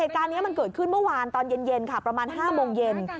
เหตุการณ์นี้มันเกิดขึ้นเมื่อวานตอนเย็นค่ะประมาณ๕โมงเย็น